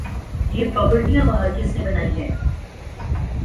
یہ پراپرٹیاں باہر کس نے بنائی ہیں؟